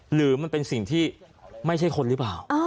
หรือมันเป็นสิ่งที่ไม่ใช่คนหรือเปล่า